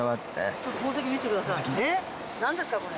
ちょっと宝石見せてください何ですかこれ。